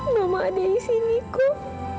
mama ada di sini kum